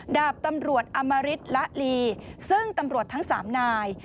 ดาบตำรวจอมริตละลีซึ่งตำรวจทั้ง๓นาย